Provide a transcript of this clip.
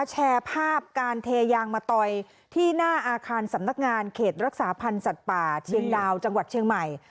แชร์ภาพการเทยางมะตอยที่หน้าอาคารสำนักงานเขตรักษาพันธ์สัตว์ป่าเชียงดาวจังหวัดเชียงใหม่